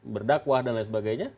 berdakwah dan lain sebagainya